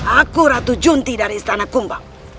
aku ratu junti dari istana kumbang